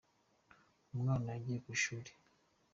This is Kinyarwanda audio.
umwana yagiye kwishuri.